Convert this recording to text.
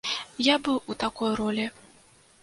Я быў у такой ролі.